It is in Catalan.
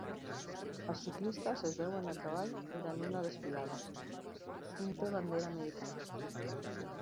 Els ciclistes es veuen a cavall durant una desfilada, un té bandera americana.